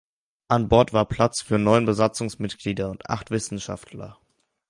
An Bord war Platz für neun Besatzungsmitglieder und acht Wissenschaftler.